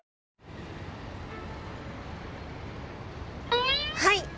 はい！